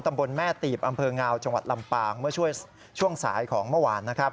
ตำบลแม่ตีบอำเภองาวจังหวัดลำปางเมื่อช่วงสายของเมื่อวานนะครับ